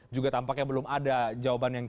juga tampaknya belum ada jawaban yang